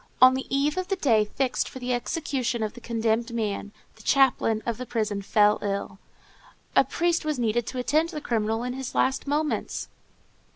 On the eve of the day fixed for the execution of the condemned man, the chaplain of the prison fell ill. A priest was needed to attend the criminal in his last moments.